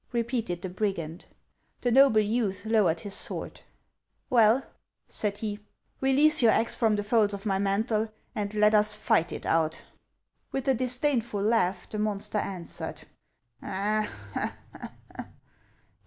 " repeated the brigand. The noble youth lowered his sword. " Well," said he, "release your axe from the folds of my mantle, and let us fight it out." "With a disdainful laugh, the monster answered :— HANS OF ICELAND.